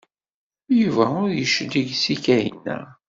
Yuba ur d-yeclig seg Kahina.